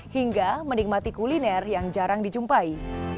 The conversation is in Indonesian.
hingga menikmati kuliner yang jarang dijumpai